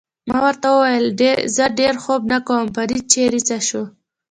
ما ورته وویل: زه ډېر خوب نه کوم، فرید چېرې څه شو؟